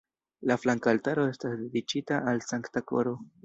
La flanka altaro estas dediĉita al Sankta Koro.